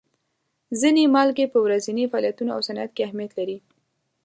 ځینې مالګې په ورځیني فعالیتونو او صنعت کې اهمیت لري.